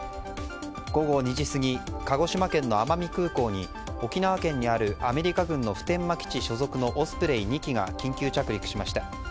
午後２時過ぎ鹿児島県の奄美空港に沖縄県にあるアメリカ軍の普天間基地所属のオスプレイ２機が緊急着陸しました。